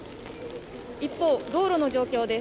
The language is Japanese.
一方、道路の状況です。